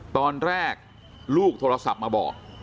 ตอนแรกลูกโทรศัพท์มาบอก